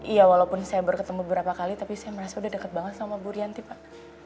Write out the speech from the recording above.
ya walaupun saya berketemu beberapa kali tapi saya merasa udah dekat banget sama bu rianti pak